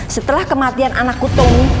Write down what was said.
setelah kematian anakku tommy